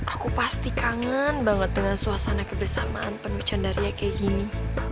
aku pasti kangen banget dengan suasana kebersamaan penuh candaria kayak gini